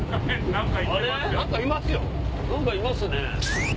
何かいますね。